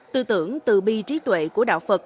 tư tưởng tự bi trí tuệ của đạo phật